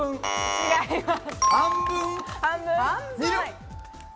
違います。